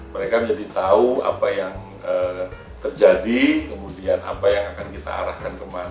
mereka menjadi tahu apa yang terjadi kemudian apa yang akan kita arahkan kemana